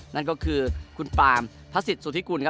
นั่นก็คือคุณปามพระศิษย์สุธิกุลครับ